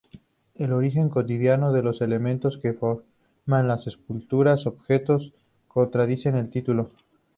El origen cotidiano de los elementos que forman las esculturas-objeto contradicen el título.